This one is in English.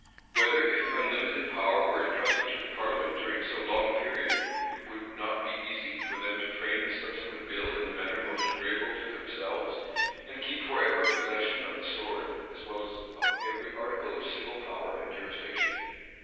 Whether, if unlimited power were intrusted to the parliament during so long a period, it would not be easy for them to frame the subsequent bill in the manner most agreeable to themselves, and keep forever possession of the sword, as well as of every article of civil power and jurisdiction.